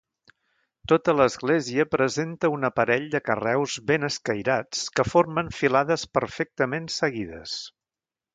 Tota l'església presenta un aparell de carreus ben escairats que formen filades perfectament seguides.